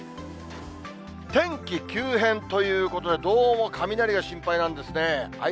天気急変ということで、どうも雷が心配なんですね。